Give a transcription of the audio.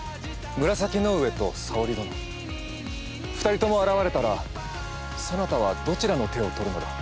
紫の上と沙織殿２人とも現れたらそなたはどちらの手を取るのだ。